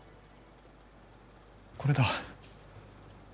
これだ。